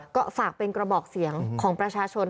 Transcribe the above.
ก็ฝากเป็นกระบอกเสียงของประชาชน